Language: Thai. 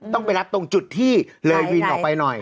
ต้องไปรับตรงจุดที่เลยวินออกไปหน่อย